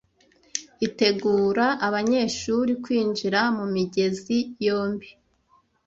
itegura abanyeshuri kwinjira mumigezi yombi